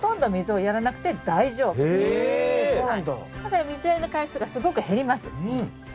だから水やりの回数がすごく減ります。